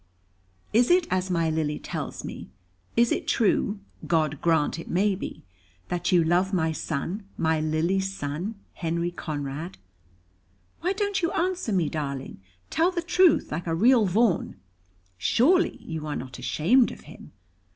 Is it as my Lily tells me? Is it true God grant it may be that you love my son, my Lily's son, Henry Conrad? Why don't you answer me, darling? Tell the truth like a real Vaughan. Surely you are not ashamed of him."